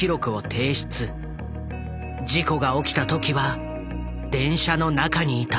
事故が起きた時は電車の中にいた。